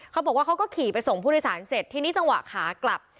เขาก็ขี่ไปส่งผู้โดยสารเสร็จทีนี้จังหวะขากลับ